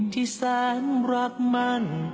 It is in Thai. ที่แสนรักมัน